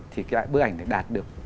thì cái bức ảnh này đạt được